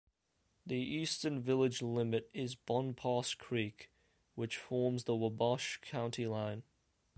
The eastern village limit is Bonpas Creek, which forms the Wabash County line.